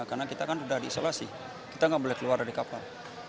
karena kita kan sudah diisolasi kita tidak boleh keluar dari kapal